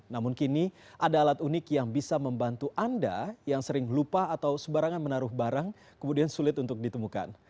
namun kini ada alat unik yang bisa membantu anda yang sering lupa atau sebarangan menaruh barang kemudian sulit untuk ditemukan